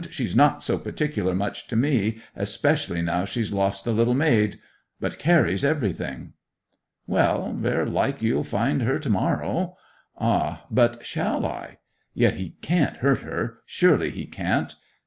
She's not so particular much to me, especially now she's lost the little maid! But Carry's everything!' 'Well, ver' like you'll find her to morrow.' 'Ah—but shall I? Yet he can't hurt her—surely he can't!